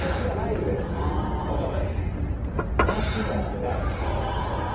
若林。